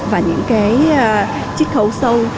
và những cái chích khấu sâu